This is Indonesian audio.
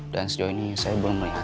dan sejauh ini saya belum melihatnya